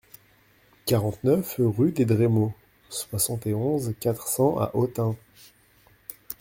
quarante-neuf rue des Drémeaux, soixante et onze, quatre cents à Autun